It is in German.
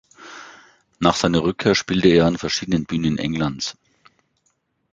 Nach seiner Rückkehr spielte er an verschiedenen Bühnen Englands.